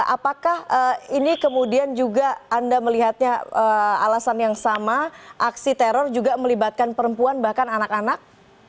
apakah ini kemudian juga anda melihatnya alasan yang sama aksi teror juga melibatkan perempuan bahkan anak anak